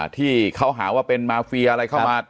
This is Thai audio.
ที่เขาหาว่าเป็นมาเฟียอะไรเข้ามา